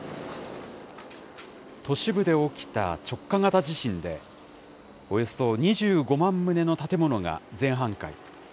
都市部で起きた直下型地震で、およそ２５万棟の建物が全半壊。